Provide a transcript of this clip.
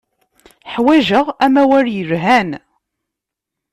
Ḥwajeɣ amawal yelhan.